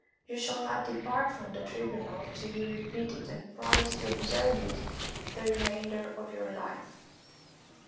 You shall not depart from the tri bunal till you repeat it and promise to observe it the remainder of your Hfe."